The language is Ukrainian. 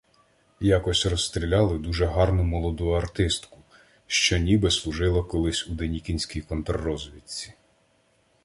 Якось розстріляли дуже гарну молоду артистку, що ніби служила колись у денікінській контррозвідці.